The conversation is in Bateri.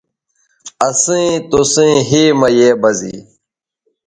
اسئیں توسئیں ھے مہ یے بزے